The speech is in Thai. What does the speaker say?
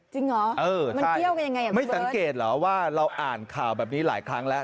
จริงเหรอเออมันเกี่ยวกันยังไงอ่ะไม่สังเกตเหรอว่าเราอ่านข่าวแบบนี้หลายครั้งแล้ว